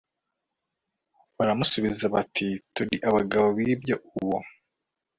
baramusubiza bati Turi abagabo b ibyo Uwo